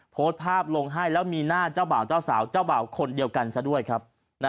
โพสต์ภาพลงให้แล้วมีหน้าเจ้าบ่าวเจ้าสาวเจ้าบ่าวคนเดียวกันซะด้วยครับ